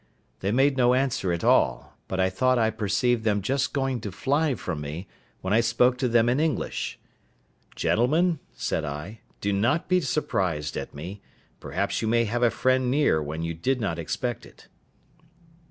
They made no answer at all, but I thought I perceived them just going to fly from me, when I spoke to them in English. "Gentlemen," said I, "do not be surprised at me; perhaps you may have a friend near when you did not expect it."